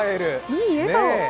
いい笑顔。